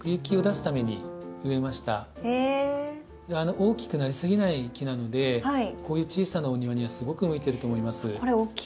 大きくなりすぎない木なのでこういう小さなお庭にはすごく向いてると思います。